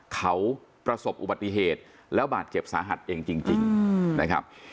เขาประสบอุบัติเหตุแล้วบาดเจ็บสาหัสเองจริงนะครับ